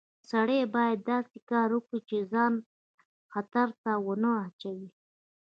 سړی باید داسې کار وکړي چې ځان خطر ته ونه اچوي